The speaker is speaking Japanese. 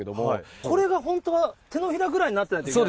これが本当は、手のひらぐらいになってないといけない？